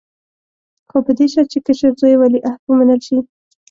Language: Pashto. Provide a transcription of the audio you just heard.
خو په دې شرط چې کشر زوی یې ولیعهد ومنل شي.